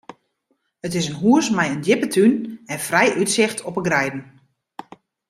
It is in hús mei in djippe tún en frij útsicht op de greiden.